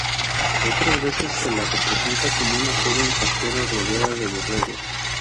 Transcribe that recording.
Otras veces se la representa como una joven pastora rodeada de borregos.